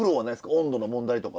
温度の問題とか。